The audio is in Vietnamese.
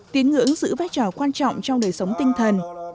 tín ngưỡng giữ vai trò quan trọng trong đời sống tinh thần